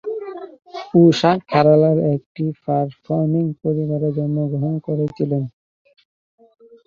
ঊষা কেরালার একটি পারফর্মিং পরিবারে জন্মগ্রহণ করেছিলেন।